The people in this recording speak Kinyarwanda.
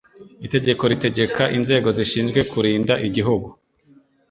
itegeko ritegeka inzego zishinzwe kurinda igihugu